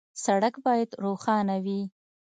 سړک باید روښانه وي.